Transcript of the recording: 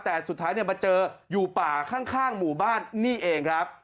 แต่สุดท้ายมาเจออยู่ป่าข้างหมู่บ้านนี่เองครับ